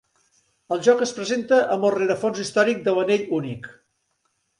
El joc es presenta amb el rerefons històric de l'Anell Únic.